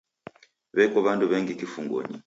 W'eko w'andu w'engi kifungonyi.